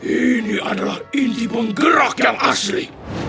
ini adalah inti penggerak yang asli